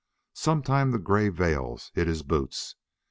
Sometimes the gray veils hid his boots.